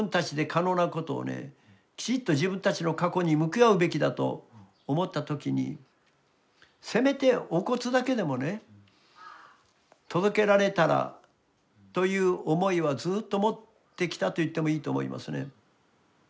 きちっと自分たちの過去に向き合うべきだと思った時にせめてお骨だけでもね届けられたらという思いはずっと持ってきたと言ってもいいと思いますね。